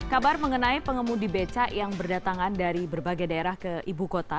kabar mengenai pengemudi becak yang berdatangan dari berbagai daerah ke ibu kota